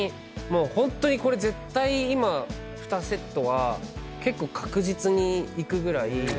ホントにこれ絶対今２セットは結構確実に行くぐらい。